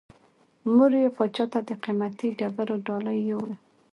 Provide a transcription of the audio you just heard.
مور یې پاچا ته د قیمتي ډبرو ډالۍ یووړه.